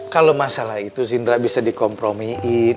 kalau masalah itu zindra bisa dikompromiin